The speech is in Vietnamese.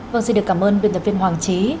vâng xin được cảm ơn biên tập viên hoàng trí